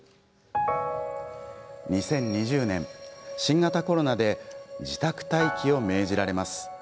２０２０年、新型コロナで自宅待機を命じられます。